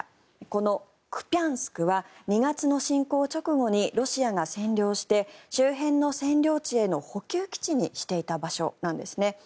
このクピャンスクは２月の侵攻直後にロシアが占領して周辺の占領地への補給基地にしていた場所なんですね。